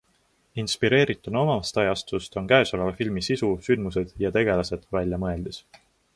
Inspireerituna omast ajastust on käesoleva filmi sisu, sündmused ja tegelased väljamõeldis.